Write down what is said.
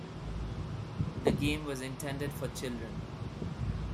The game was intended for children.